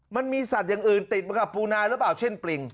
มันมีสัตว์อย่างอื่นติดมากับปูนาหรือเปล่าเช่นปริง